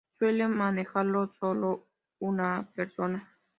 Suele manejarlo una sola persona.